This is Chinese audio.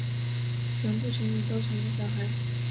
全部成员都成为了小孩。